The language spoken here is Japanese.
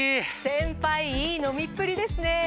先輩いい飲みっぷりですね。